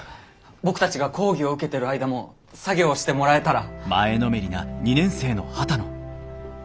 僕たちが講義を受けてる間も作業してもらえたら！